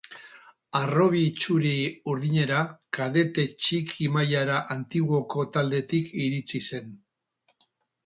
Harrobi txuri-urdinera kadete txiki mailara Antiguoko taldetik iritsi zen.